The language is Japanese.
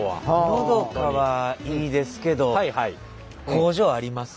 のどかはいいですけど工場あります？